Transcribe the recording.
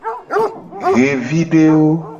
Xevidewo.